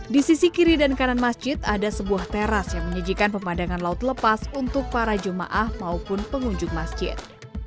di sisi kiri dan kanan masjid ada sebuah teras yang menyajikan pemandangan laut lepas untuk para jemaah maupun pengunjung masjid